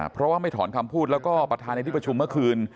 เพราะว่าไม่ถอนคำพูดแล้วก็ประธานในที่ประชุมเมื่อคืน